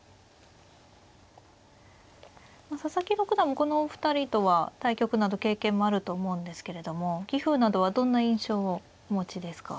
佐々木六段はこのお二人とは対局など経験もあると思うんですけれども棋風などはどんな印象をお持ちですか。